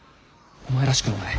お前らしくもない。